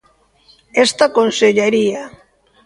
Esta consellería.